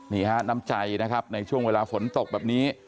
น้ำใจนะครับในช่วงเวลาฝนตกแบบนี้